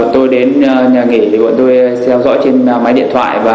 tôi đến nhà nghỉ tôi theo dõi trên máy điện thoại